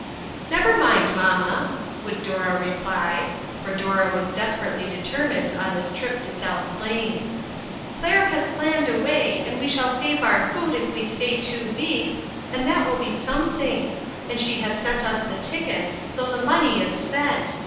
"Never mind, mamma," would Dora re ply, for Dora was desperately determined on this trip to South Plains, " Claire has planned a way; and we shall save our food if we stay two weeks, and that will be something; and she has sent us the tickets, so the money is spent.